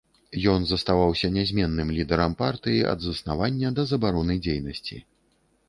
Ён заставаўся нязменным лідарам партыі ад заснавання да забароны дзейнасці.